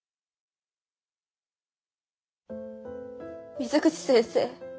水口先生